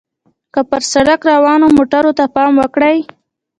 که پر سړک روانو موټرو ته پام وکړئ.